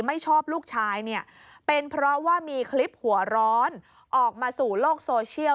ไม่ชอบลูกชายเนี่ยเป็นเพราะว่ามีคลิปหัวร้อนออกมาสู่โลกโซเชียล